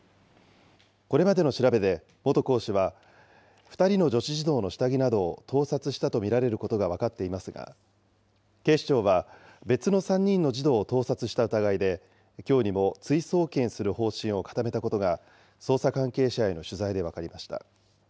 これまでの調べで、元講師は２人の女子児童の下着などを盗撮したと見られることが分かっていますが、警視庁は、別の３人の児童を盗撮した疑いで、きょうにも追送検する方針を固めたことが、捜査関係者への取材で分かりました。